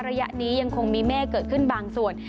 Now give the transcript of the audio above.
ระยะนี้ยังคงมีเมฆเกิดขึ้นบางส่วน